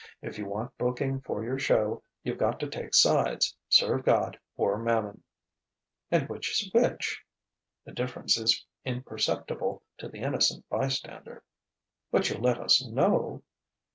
If you want booking for your show, you've got to take sides serve God or Mammon." "And which is which?" "The difference is imperceptible to the innocent bystander." "But you'll let us know